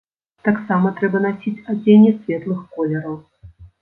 Таксама трэба насіць адзенне светлых колераў.